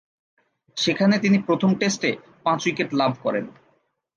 সেখানে তিনি প্রথম টেস্টে পাঁচ উইকেট লাভ করেন।